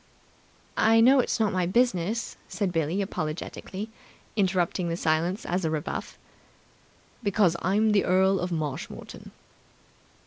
"I know it's not my business," said Billie apologetically, interpreting the silence as a rebuff. "Because I'm the Earl of Marshmoreton."